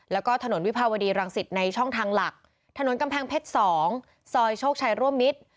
แล้วก็ถนนวิภาวดีรังสิตในช่องทางหลักถนนกำแพงเพชร๒ซอยโชคชัยร่วมมิตร